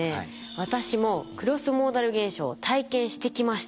私もクロスモーダル現象を体験してきました。